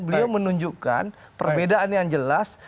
beliau menunjukkan perbedaan yang jelas